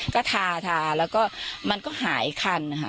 ก็ทาแล้วก็มันก็หายคัน